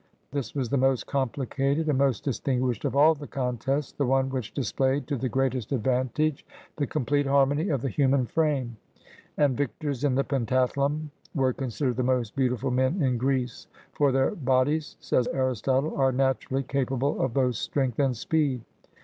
This was the most complicated and most distinguished of all the con tests, the one which displayed to the greatest advantage the complete harmony of the human frame; and vic tors in the pentathlum were considered the most beauti ful men in Greece; "for their bodies," says Aristotle, "are naturally capable of both strength and speed."